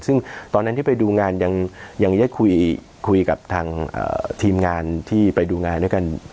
ซึ่งตอนนั้นที่ไปดูงานยังได้คุยกับทางทีมงานที่ไปดูงานด้วยกัน